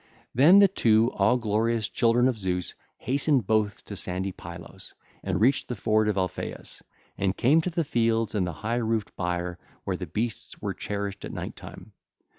(ll. 397 404) Then the two all glorious children of Zeus hastened both to sandy Pylos, and reached the ford of Alpheus, and came to the fields and the high roofed byre where the beasts were cherished at night time.